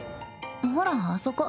ほらあそこ。